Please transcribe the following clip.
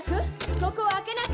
ここを開けなさい！